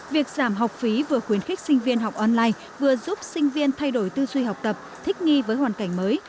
việc giảm học phí vừa khuyến khích sinh viên học online vừa giúp sinh viên thay đổi tư duy học tập thích nghi với hoàn cảnh mới